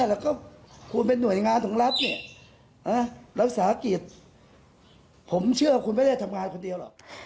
แล้วก็คุณเป็นหน่วยงานของรัฐเนี่ยรักษากิจผมเชื่อว่าคุณไม่ได้ทำงานคนเดียวหรอก